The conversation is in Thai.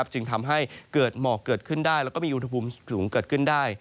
จึงทำให้เกิดหมอกเกิดขึ้นได้แล้วก็มีอุณหภูมิสูงเกิดขึ้นได้